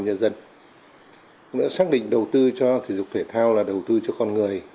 đảng thủy quân trung ương đã xác định đầu tư cho thể dục thể thao là đầu tư cho con người